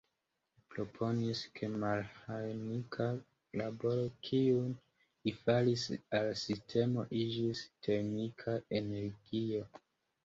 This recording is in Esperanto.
Li proponis ke meĥanika laboro, kiun li faris al sistemo, iĝis "termika energio".